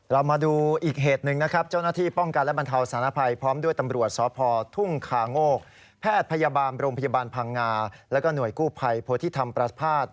เรามาดูอีกเหตุหนึ่งนะครับ